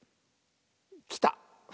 きた！